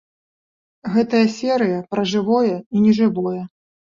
Гэтая серыя пра жывое і нежывое.